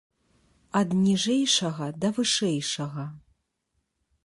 Ад ніжэйшага да вышэйшага.